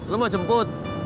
lo mau jemput